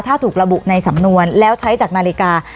ถ้าถูกระบุในสำนวนแล้วใช้จากนาฬิกา